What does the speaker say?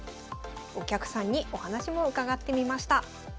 お客さんにお話も伺ってみました。